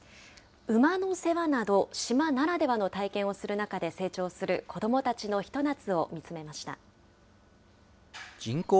馬の世話など、島ならではの体験をする中で成長する、子どもたちのひと夏を見つ人口